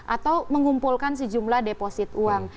atau mengumpulkan sejumlah deposit uang